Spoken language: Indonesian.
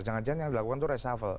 jangan jangan yang dilakukan itu reshuffle